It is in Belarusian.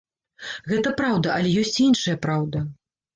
Гэта праўда, але ёсць і іншая праўда.